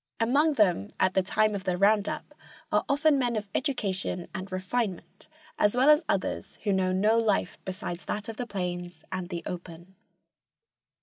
Among them at the time of the "round up" are often men of education and refinement, as well as others who know no life besides that of the plains and the open.